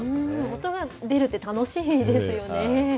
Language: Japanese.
音が出るって楽しいですよね。